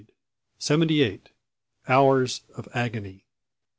CHAPTER SEVENTY EIGHT. HOURS OF AGONY.